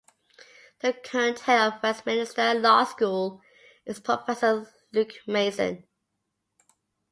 The current Head of Westminster Law School is Professor Luke Mason.